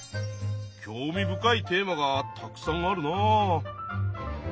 興味深いテーマがたくさんあるなあ。